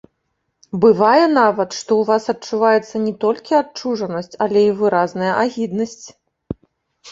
Бывае нават, што ў вас адчуваецца не толькі адчужанасць, але і выразная агіднасць.